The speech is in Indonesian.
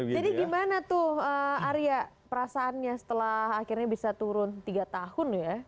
jadi gimana tuh area perasaannya setelah akhirnya bisa turun tiga tahun ya